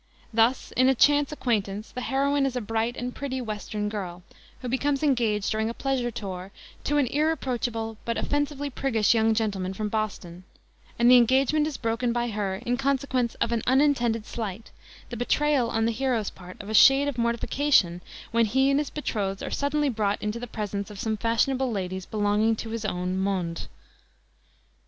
Thus in A Chance Acquaintance the heroine is a bright and pretty Western girl, who becomes engaged during a pleasure tour to an irreproachable but offensively priggish young gentleman from Boston, and the engagement is broken by her in consequence of an unintended slight the betrayal on the hero's part of a shade of mortification when he and his betrothed are suddenly brought into the presence of some fashionable ladies belonging to his own monde.